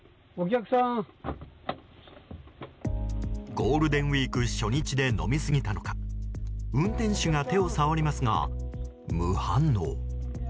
ゴールデンウィーク初日で飲み過ぎたのか運転手が手を触りますが無反応。